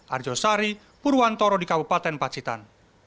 arjo sari purwantoro di kabupaten pacitan